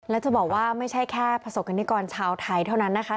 แล้วจะบอกว่าไม่ใช่แค่ประสบกรณิกรชาวไทยเท่านั้นนะคะ